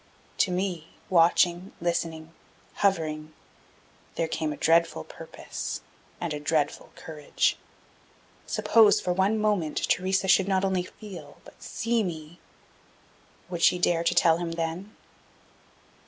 To me, watching, listening, hovering, there came a dreadful purpose and a dreadful courage. Suppose for one moment, Theresa should not only feel, but see me would she dare to tell him then?